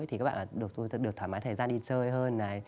thì các bạn là được thoải mái thời gian đi chơi hơn